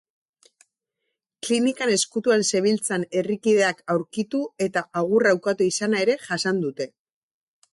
Klinikan ezkutuan zebiltzan herrikideak aurkitu eta agurra ukatu izana ere jasan dute.